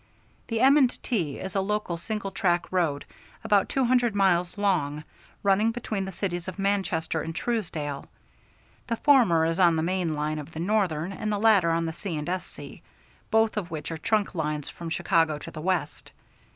The M. & T. is a local single track road, about two hundred miles long, running between the cities of Manchester and Truesdale. The former is on the main line of the Northern, and the latter on the C. & S.C., both of which are trunk lines from Chicago to the West.